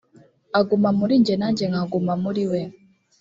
aguma muri jye nanjye nkaguma muri we